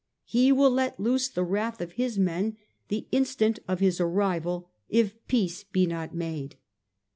He will let loose the wrath of his men the instant of his arrival if peace be not made.